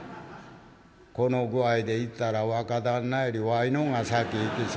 「この具合でいったら若旦那よりわいのほうが先逝きそうな。